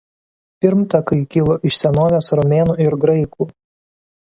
Pirmtakai kilo iš senovės romėnų ir graikų.